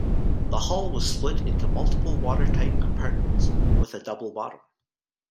The hull was split into multiple watertight compartments, with a double bottom.